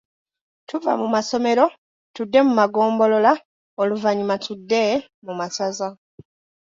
Tuva mu masomero, tudde mu magombolola oluvannyuma tudde mu masaza.